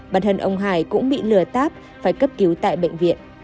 bản thân ông hải cũng bị lừa táp phải cấp cứu tại bệnh viện